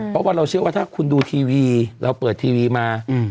เพราะว่าเราเชื่อว่าถ้าคุณดูทีวีเราเปิดทีวีมา